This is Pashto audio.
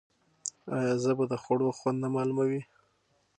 آیا ژبه د خوړو خوند نه معلوموي؟